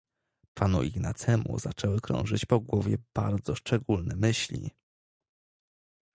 "Panu Ignacemu zaczęły krążyć po głowie bardzo szczególne myśli."